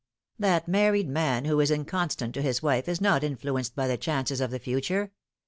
The married man who is inconstant to his wife is not influenced by the chances of the future.